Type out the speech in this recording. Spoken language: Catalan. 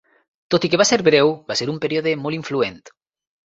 Tot i que va ser breu, va ser un període molt influent.